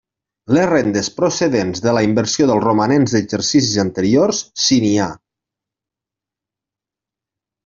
Les rendes procedents de la inversió dels romanents d'exercicis anteriors, si n'hi ha.